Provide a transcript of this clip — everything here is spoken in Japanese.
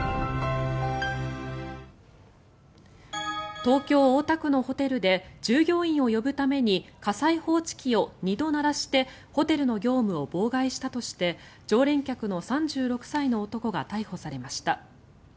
東京・大田区のホテルで従業員を呼ぶために火災報知機を２度鳴らしてホテルの業務を妨害したとして常連客の３６歳の男が逮捕されました。